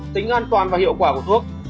tính an toàn và hiệu quả của thuốc